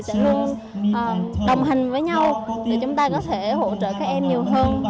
sẽ luôn đồng hành với nhau để chúng ta có thể hỗ trợ các em nhiều hơn